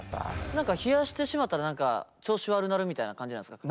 何か冷やしてしまったら何か調子悪なるみたいな感じなんすか？